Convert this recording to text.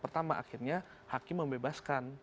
pertama akhirnya hakim membebaskan